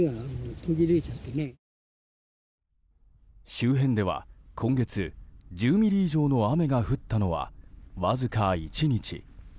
周辺では、今月１０ミリ以上の雨が降ったのはわずか１日。